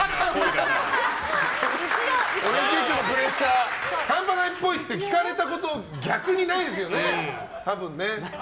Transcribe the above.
オリンピックのプレッシャーハンパないっぽいって聞かれたこと、逆にないですよね多分ね。